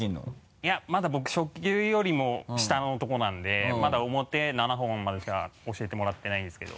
いやまだ僕初級よりも下のとこなんでまだ表七本までしか教えてもらってないんですけど。